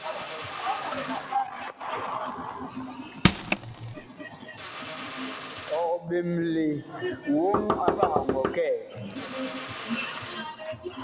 Ɔg ɓemle woŋ pah ɔ ngɔ kɛ?